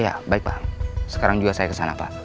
ya baik pak sekarang juga saya kesana pak